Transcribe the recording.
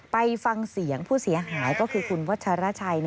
ไปฟังเสียงผู้เสียหายก็คือคุณวัชรชัย